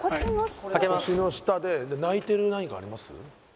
開けます星の下で泣いてる何かあります？